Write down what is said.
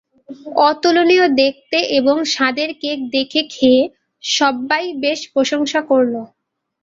অতুলনীয় দেখতে এবং স্বাদের কেক দেখে খেয়ে সব্বাই বেশ প্রশংসা করল।